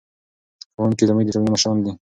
ښوونکي زموږ د ټولنې مشران دي.